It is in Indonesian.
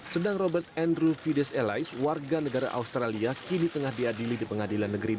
sedang robert andrew fides elaiz warga negara australia kini tengah diadili di pengadilan negeri